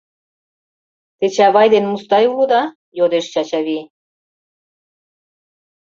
— Те Чавай ден Мустай улыда?! — йодеш Чачавий.